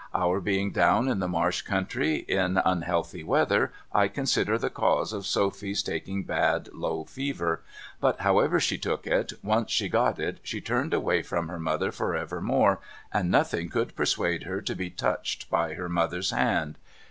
Our being down in the marsh country in unhealthy weather, I consider the cause of Sophy's taking bad low fever; but however she took it, once she got it she turned away from her mother for evermore, and nothing would persuade her to be touched by her mother's hand.